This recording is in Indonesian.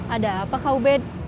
ada apa ka ubed